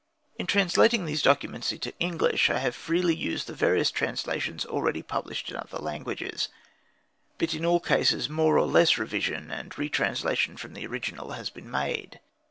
In translating these documents into English I have freely used the various translations already published in other languages; but in all cases more or less revision and retranslation from the original has been made.